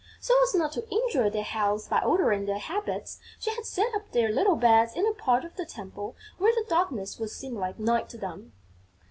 So as not to injure their health by altering their habits, she had set up their little beds in a part of the temple where the darkness would seem like night to them.